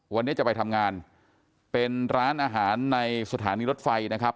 วันนี้จะไปทำงานเป็นร้านอาหารในสถานีรถไฟนะครับ